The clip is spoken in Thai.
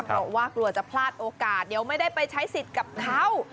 เพราะว่ากลัวจะพลาดโอกาสเดี๋ยวไม่ได้ไปใช้สิทธิ์กับเขา